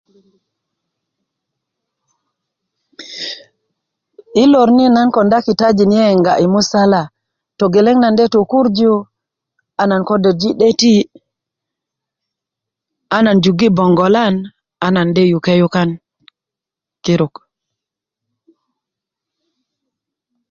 i lor ni nan konda kitajin yeyenga i musala togeleŋ nan de tu kurju a nan ko derji 'deti an de jugi bongolan ana de yuke yukan kirut